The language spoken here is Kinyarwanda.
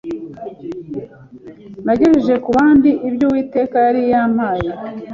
nagejeje ku bandi ibyo Uwiteka yari yampaye.